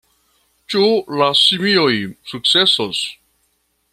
Ĉu la simioj sukcesos?